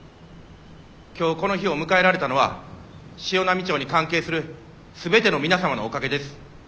今日この日を迎えられたのは潮波町に関係する全ての皆様のおかげです。